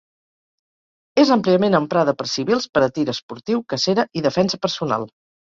És àmpliament emprada per civils per a tir esportiu, cacera i defensa personal.